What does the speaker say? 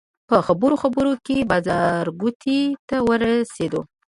په خبرو خبرو کې بازارګوټي ته ورسېدو.